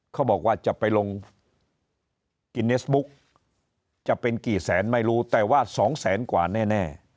เขาบอกว่าจะไปลงกินเนสบุ๊กจะเป็นกี่แสนไม่รู้แต่ว่า๒แสนกว่าแน่